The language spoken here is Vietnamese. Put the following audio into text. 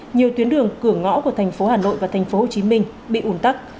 nhiều tuyến đường cửa ngõ của thành phố hà nội và thành phố hồ chí minh bị ủn tắc